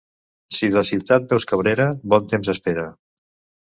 Si de Ciutat veus Cabrera, bon temps espera.